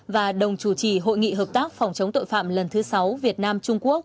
và đồng chủ trì hội nghị hợp tác phòng chống tội phạm lần thứ sáu việt nam trung quốc